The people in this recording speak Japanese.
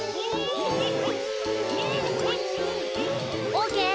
オーケー。